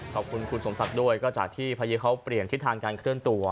ขอบคุณคุณสมศักดิ์ด้วยก็จากที่พายุเขาเปลี่ยนทิศทางการเคลื่อนตัว